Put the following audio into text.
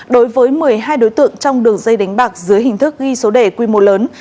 đối với một mươi hai đối tượng trong đường dây đánh bạc dưới hình thức ghi số đề quy mô lớn